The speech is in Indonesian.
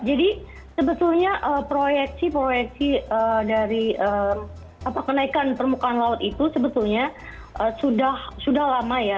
jadi sebetulnya proyeksi proyeksi dari kenaikan permukaan laut itu sebetulnya sudah lama ya